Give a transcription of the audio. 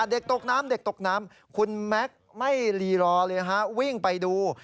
เด็กตกน้ำเด็กตกน้ำคุณแม็กซ์ไม่รีรอเลยฮะวิ่งไปดู